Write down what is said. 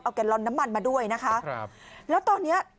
แกลลอนน้ำมันมาด้วยนะคะครับแล้วตอนเนี้ย